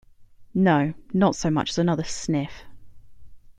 No, not so much as another sniff.